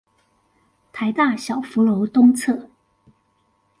臺大小福樓東側